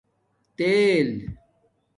تیل